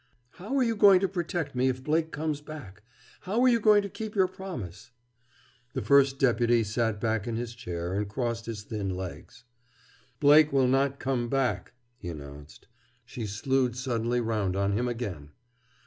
"How are you going to protect me, if Blake comes back? How are you going to keep your promise?" The First Deputy sat back in his chair and crossed his thin legs. "Blake will not come back," he announced. She slewed suddenly round on him again.